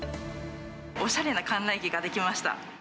おしゃれな館内着が出来まし